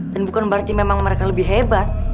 dan bukan berarti mereka memang lebih hebat